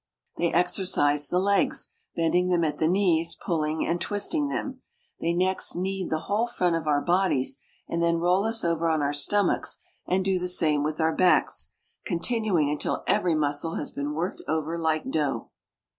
They exercise the legs, bending them at the knees, pulling and twisting them. They next knead the whole front of our bodies, and then roll us over on our stomachs and do the same with our backs, continuing until every muscle has been worked over like dough.